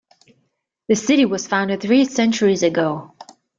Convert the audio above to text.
The city was founded three centuries ago.